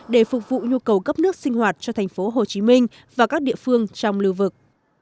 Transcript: để phục vụ nhu cầu cấp nước sinh hoạt cho tp hcm và các địa phương trong lưu vực